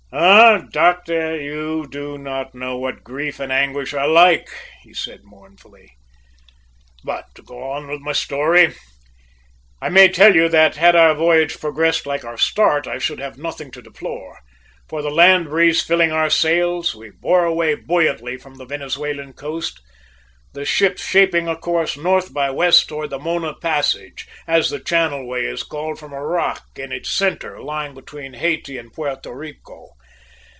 "Ah, doctor, you do not know what grief and anguish are like!" he said mournfully. "But to go on with my story. I may tell you that, had our voyage progressed like our start, I should have nothing to deplore, for, the land breeze filling our sails, we bore away buoyantly from the Venezuelan coast, the ship shaping a course north by west towards the Mona passage, as the channel way is called, from a rock in its centre, lying between Hayti and Puerto Rico.